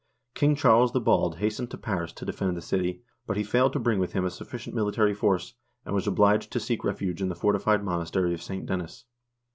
King Charles the Bald hastened to Paris to defend the city, but he failed to bring with him a sufficient military force, and was obliged to seek refuge in the fortified monastery of St. Denis.